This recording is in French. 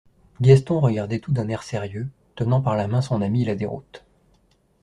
Gaston regardait tout d'un air sérieux, tenant par la main son ami la Déroute.